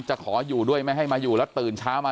ขออยู่ด้วยไม่ให้มาอยู่แล้วตื่นเช้ามา